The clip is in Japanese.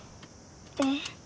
えっ。